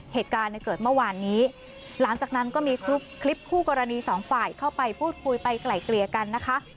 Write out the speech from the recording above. เหตุการณ์เกิดเมื่อวานนี้หลังจากนั้นก็มีคลิปคู่กรณีสองฝ่ายเข้าไปพูดคุยไปไกล่เกลี่ยกันนะคะ